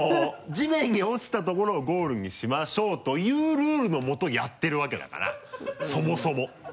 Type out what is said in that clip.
「地面に落ちた所をゴールにしましょう」というルールのもとやってるわけだからそもそも。